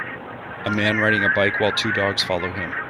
A man riding a bike, while two dogs follow him.